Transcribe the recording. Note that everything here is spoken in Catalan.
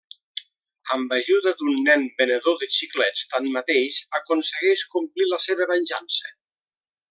Amb ajuda d'un nen venedor de xiclets, tanmateix, aconsegueix complir la seva venjança.